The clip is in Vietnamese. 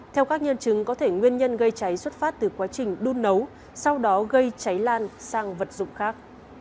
theo các nhân chứng có thể nguyên nhân gây cháy xuất phát từ quá trình đun nấu sau đó gây cháy lan sang vật dụng khác